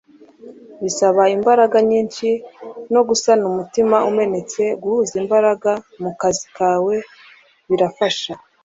bisaba imbaraga nyinshi zo gusana umutima umenetse guhuza imbaraga mu kazi kawe birafasha